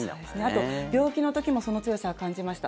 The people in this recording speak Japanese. あと、病気の時もその強さは感じました。